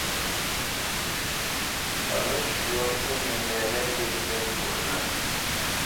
Paməshwɔ̌ nə́ mənɛ̂ nə́ghé tə́ njúʼnə́.